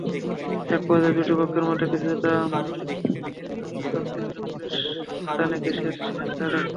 একপর্যায়ে দুই পক্ষের মধ্যে কিছুটা ধ্বস্তাধ্বস্তি হলে পুলিশ কাঁদানে গ্যাসের শেল ছোড়ে।